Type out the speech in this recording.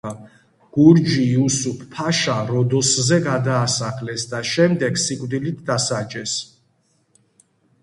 გურჯი იუსუფ-ფაშა როდოსზე გადაასახლეს და შემდეგ სიკვდილით დასაჯეს.